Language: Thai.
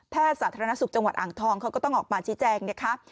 สาธารณสุขจังหวัดอ่างทองเขาก็ต้องออกมาชี้แจงนะคะ